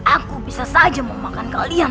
aku bisa saja memakan kalian